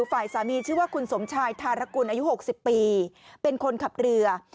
ฝ่ายสามีชื่อว่าคุณสมชายธารกุลอายุ๖๐ปีเป็นคนขับเรือ